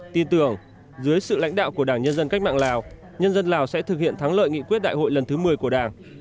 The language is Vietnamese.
tin tưởng dưới sự lãnh đạo của đảng nhân dân cách mạng lào nhân dân lào sẽ thực hiện thắng lợi nghị quyết đại hội lần thứ một mươi của đảng